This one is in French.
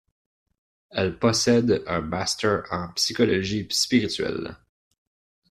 Elle possède un master en psychologie spirituelle.